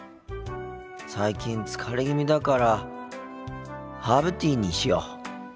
最近疲れ気味だからハーブティーにしよう。